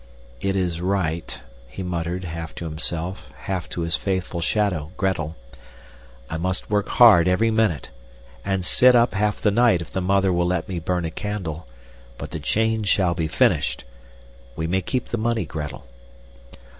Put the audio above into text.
"It is right," he muttered, half to himself, half to his faithful shadow, Gretel. "I must work hard every minute, and sit up half the night if the mother will let me burn a candle, but the chain shall be finished. We may keep the money, Gretel."